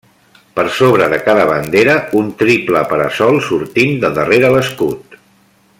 Per sobre de cada bandera un triple para-sol sortint de darrere l'escut.